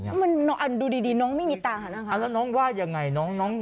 แล้วมันดูดีน้องไม่มีตังค์อ่ะนะคะแล้วน้องว่ายังไงน้องน้อง